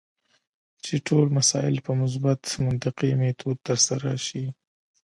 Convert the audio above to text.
چې ټول مسایل په مثبت منطقي میتود ترسره شي.